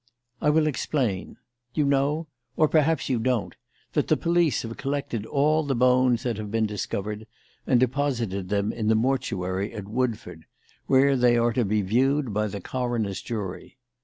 "I will explain. You know or perhaps you don't that the police have collected all the bones that have been discovered and deposited them in the mortuary at Woodford, where they are to be viewed by the coroner's jury.